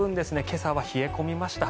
今朝は冷え込みました。